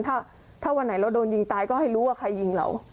ถ้าวันไหนเราโดนยิงตายก็ให้รู้ว่าใครยิงเรา